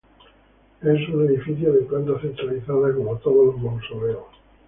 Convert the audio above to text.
Es un edificio de planta centralizada, como todos los mausoleos.